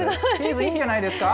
いいんじゃないですか？